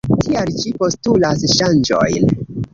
Tial ĝi postulas ŝanĝojn.